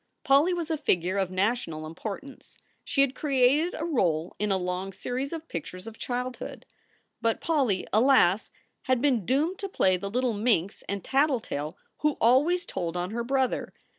Polly was a figure of national importance. She had created a role in a long series of pictures of childhood. But Polly, alas! had been doomed to play the little minx and tattletale who always told on her brother.